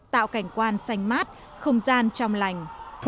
tạo cảnh quan xanh mát không gian trong lành